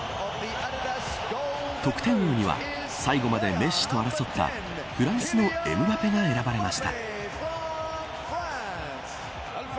得点王には最後までメッシと争ったフランスのエムバペが選ばれました。